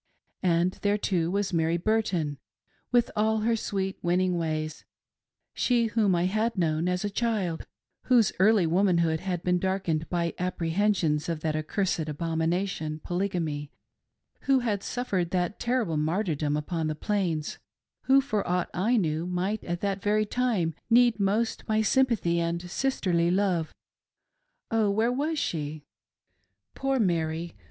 And there, too, was Mary Burton, with all her sweet, winning ways — she whom I had known as a child ; whose early womanhood had been darkened by appre hensions of that accursed abomination — Polygamy ; who had suffered that terrible martyrdom upon the Plains ; who, for aught I knew, might at that very time need most my sympathy and sisterly love— Oh, where was she .' Poor Mary